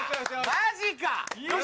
マジか！？